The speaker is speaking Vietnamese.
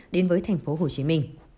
đến với tp hcm